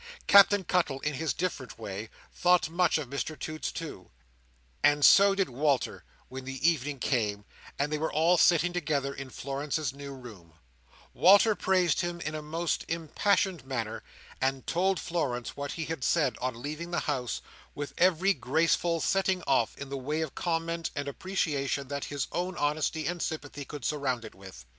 Captain Cuttle, in his different way, thought much of Mr Toots too; and so did Walter; and when the evening came, and they were all sitting together in Florence's new room, Walter praised him in a most impassioned manner, and told Florence what he had said on leaving the house, with every graceful setting off in the way of comment and appreciation that his own honesty and sympathy could surround it with.